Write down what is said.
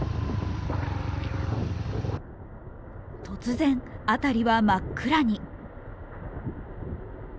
突然、辺りは真っ暗に。